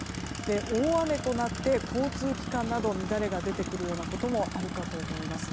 大雨となって交通機関など乱れが出てくることもあるかと思います。